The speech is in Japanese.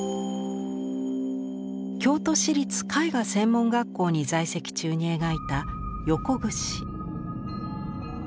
京都市立絵画専門学校に在籍中に描いた「横櫛」。